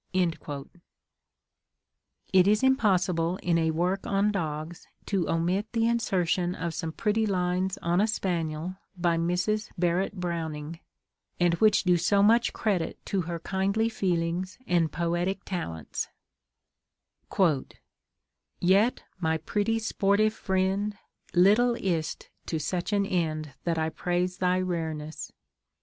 It is impossible in a work on dogs to omit the insertion of some pretty lines on a spaniel by Mrs. Barrett Browning, and which do so much credit to her kindly feelings and poetic talents: "Yet, my pretty sportive friend, Little is't to such an end That I praise thy rareness!